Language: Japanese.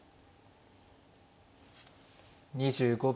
２５秒。